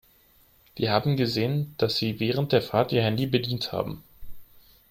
Wir haben gesehen, dass Sie während der Fahrt Ihr Handy bedient haben.